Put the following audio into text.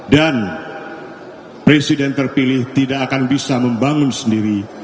dan presiden terpilih tidak akan bisa membangun sendiri